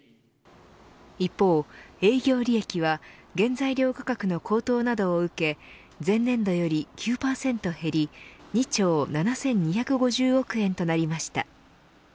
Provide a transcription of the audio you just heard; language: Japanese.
一方、営業利益は原材料価格の高騰などを受け前年度より９％減り２兆７２５０億円となりました。